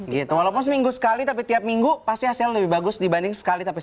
gitu walaupun seminggu sekali tapi tiap minggu pasti hasil lebih bagus dibanding sekali tapi